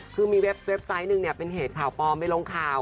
คือมีเว็บไซต์หนึ่งเนี่ยเป็นเหตุข่าวปลอมไปลงข่าว